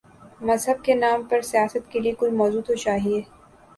مذہب کے نام پر سیاست کے لیے کوئی موضوع تو چاہیے۔